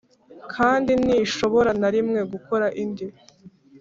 kandi ntishobora na rimwe gukora indi.